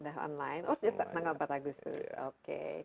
udah online oh tanggal empat agustus oke